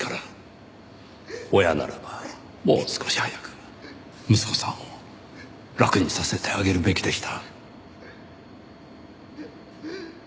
親ならばもう少し早く息子さんを楽にさせてあげるべきでした。